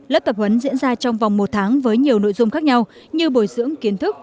lớp tập huấn diễn ra trong vòng một tháng với nhiều nội dung khác nhau như bồi dưỡng kiến thức